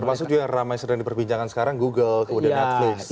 termasuk juga yang ramai sedang diperbincangkan sekarang google kemudian netflux